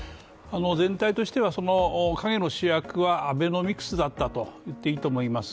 全体としては影の主役はアベノミクスだったといっていいと思います。